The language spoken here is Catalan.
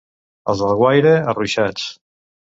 Els d'Alguaire, arruixats.